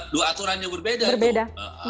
dua aturan yang berbeda gitu